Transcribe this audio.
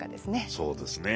そうですね。